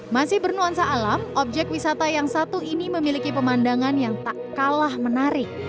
masih bernuansa alam objek wisata yang satu ini memiliki pemandangan yang tak kalah menarik